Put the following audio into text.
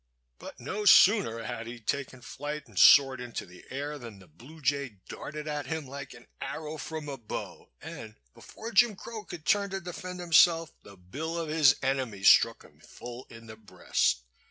But no sooner had he taken flight and soared into the air than the Blue Jay darted at him like an arrow from a bow, and before Jim Crow could turn to defend himself the bill of his enemy struck him full in the breast.